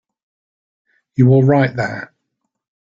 You all right there?